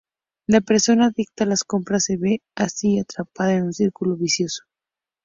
La persona adicta a las compras se ve, así, atrapada en un círculo vicioso.